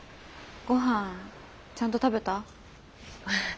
ごはんちゃんと食べた？